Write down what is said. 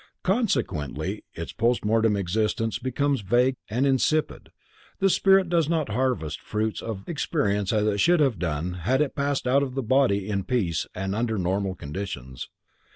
Consequently its post mortem existence becomes vague and insipid, the spirit does not harvest fruits of experience as it should have done had it passed out of the body in peace and under normal conditions.